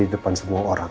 di depan semua orang